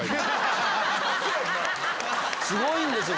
すごいんですよ